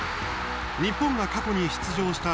日本が過去に出場した